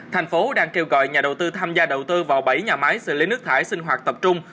thành phố đang kêu gọi nhà đầu tư tham gia đầu tư vào bảy nhà máy xử lý nước thải sinh hoạt tập trung